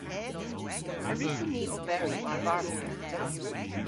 A wrussyn ni oberi war-barth gansa?